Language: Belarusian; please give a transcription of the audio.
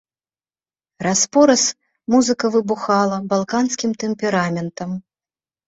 Раз-пораз музыка выбухала балканскім тэмпераментам!